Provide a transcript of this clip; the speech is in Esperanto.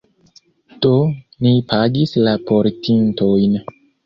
Do, ni pagis la portintojn.